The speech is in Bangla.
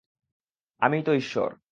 আমিই তোর ঈশ্বর।